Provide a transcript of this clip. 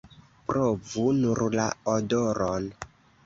Provu nur la odoron!